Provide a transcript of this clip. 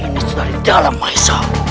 ini sudah dari dalam mahesha